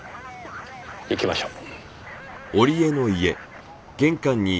行きましょう。